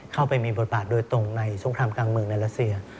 เข้าไปมีบทบาทโดยตรงในสงครามกลางเมืองในรัสเซีย